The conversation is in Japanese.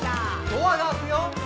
「ドアが開くよ」